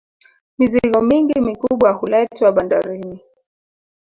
mizigo mingi mikubwa huletwa bandarini